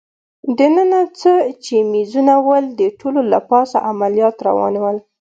دننه څه چي مېزونه ول، د ټولو له پاسه عملیات روان ول.